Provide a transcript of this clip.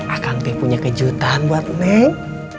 akang dia punya kejutan buat neng